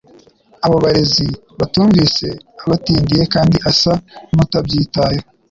Abo barezi btunvise abatindiye kandi asa n'utabyitayeho,